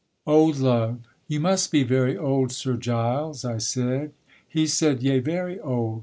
OLD LOVE You must be very old, Sir Giles, I said; he said: Yea, very old!